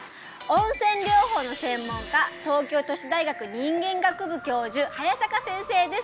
温泉療法の専門家東京都市大学人間科学部教授早坂先生です